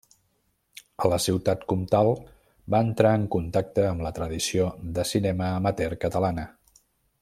A la Ciutat Comtal va entrar en contacte amb la tradició de cinema amateur catalana.